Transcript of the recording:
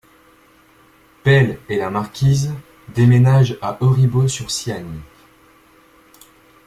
Pell et la marquise déménagent à Auribeau-sur-Siagne.